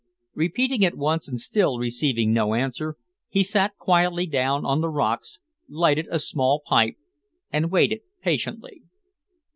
Repeating it once, and still receiving no answer, he sat quietly down on the rocks, lighted a small pipe, and waited patiently.